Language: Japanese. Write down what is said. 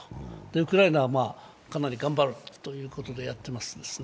ウクライナはかなり頑張るということでやっていますですね。